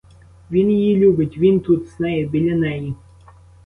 Він її любить, він тут, з нею, біля неї!